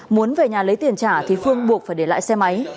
muốn về nhà lấy tiền trả thì phương buộc phải để lại xe máy